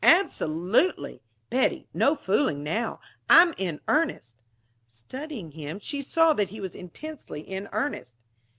"Absolutely. Betty no fooling now; I'm in earnest " Studying him, she saw that he was intensely in earnest.